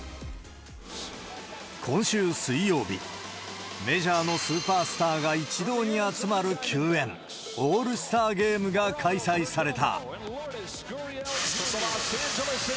今週水曜日、メジャーのスーパースターが一堂に集まる球宴、オールスターゲームが開催された。